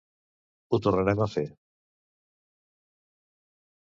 Ho tornarem a fer !